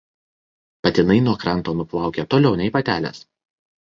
Patinai nuo kranto nuplaukia toliau nei patelės.